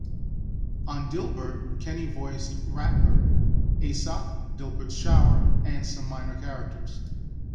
On "Dilbert", Kenny voiced Ratbert, Asok, Dilbert's shower, and some minor characters.